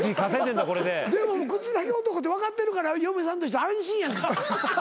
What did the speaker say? でも口だけ男って分かってるから嫁さんとしては安心やない。